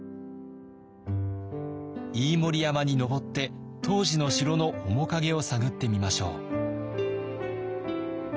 飯盛山に登って当時の城の面影を探ってみましょう。